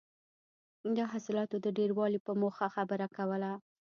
د حاصلاتو د ډېروالي په موخه خبره کوله.